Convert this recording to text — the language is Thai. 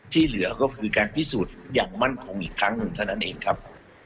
เหลือก็คือการพิสูจน์อย่างมั่นคงอีกครั้งหนึ่งเท่านั้นเองครับ